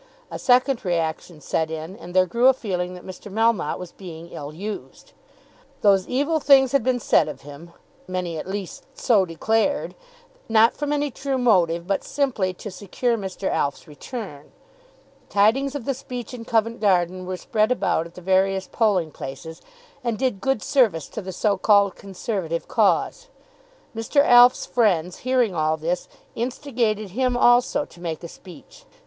A second reaction set in, and there grew a feeling that Mr. Melmotte was being ill used. Those evil things had been said of him, many at least so declared, not from any true motive, but simply to secure Mr. Alf's return. Tidings of the speech in Covent Garden were spread about at the various polling places, and did good service to the so called Conservative cause. Mr. Alf's friends, hearing all this, instigated him also to make a speech.